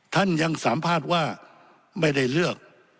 ท่านยังสัมภาษณ์ว่าไม่ได้เลือก